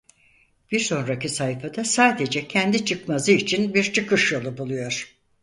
Bir sonraki sayfada sadece kendi çıkmazı için bir çıkış yolu buluyor.